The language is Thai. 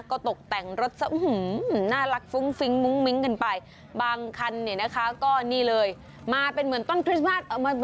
โอ้โหอันนี้คือเหมือนรถพุ่มพวง